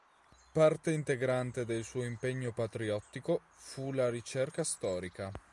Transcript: Parte integrante del suo impegno patriottico fu la ricerca storica.